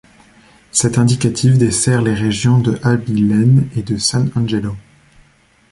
Cet indicatif dessert les régions de Abilene et de San Angelo.